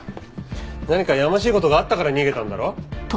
何かやましい事があったから逃げたんだろ？